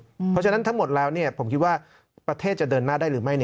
เพราะฉะนั้นทั้งหมดแล้วผมคิดว่าประเทศจะเดินหน้าได้หรือไม่